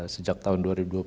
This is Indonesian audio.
sejak tahun dua ribu dua puluh